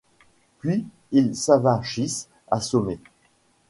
Puis ils s’avachissent, assommés.